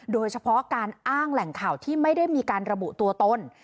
โดยเฉพาะการอ้างแหล่งข่าวที่ไม่ได้มีการระบุตัวตน